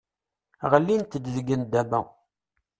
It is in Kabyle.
Ɣellint-d deg nndama.